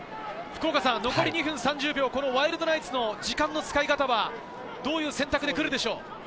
残り２分３０秒、ワイルドナイツの時間の使い方はどういう選択で来るでしょう？